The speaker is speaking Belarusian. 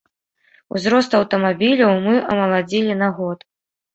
Узрост аўтамабіляў мы амаладзілі на год.